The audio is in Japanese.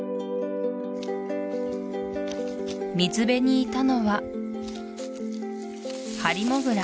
水辺にいたのはハリモグラ